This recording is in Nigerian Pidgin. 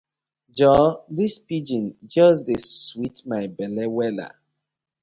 Joor dis pidgin just dey sweet my belle wella.